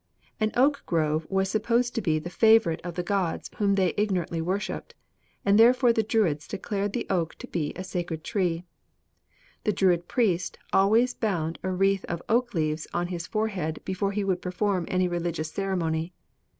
An oak grove was supposed to be the favorite of the gods whom they ignorantly worshiped, and therefore the Druids declared the oak to be a sacred tree. The Druid priest always bound a wreath of oak leaves on his forehead before he would perform any religious ceremony.